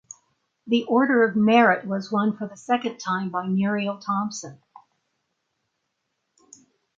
The Order of Merit was won for the second time by Muriel Thomson.